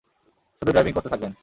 শুধু ড্রাইভিং করতে থাকবেন।